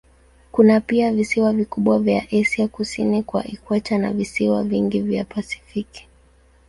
Kuna pia visiwa vikubwa vya Asia kusini kwa ikweta na visiwa vingi vya Pasifiki.